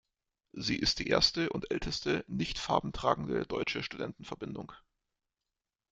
Sie ist die erste und älteste nicht farbentragende deutsche Studentenverbindung.